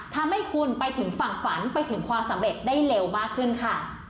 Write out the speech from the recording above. ทำให้คุณไปถึงฝั่งฝันไปถึงความสำเร็จได้เร็วมากขึ้นค่ะ